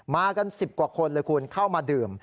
กัน๑๐กว่าคนเลยคุณเข้ามาดื่ม